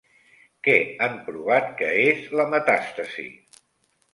Què han provat que és la metàstasi?